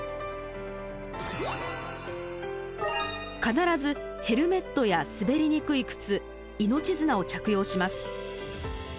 必ずヘルメットや滑りにくい靴命綱を着用します。